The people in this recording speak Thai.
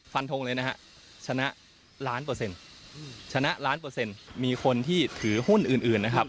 ทงเลยนะฮะชนะล้านเปอร์เซ็นต์ชนะล้านเปอร์เซ็นต์มีคนที่ถือหุ้นอื่นนะครับ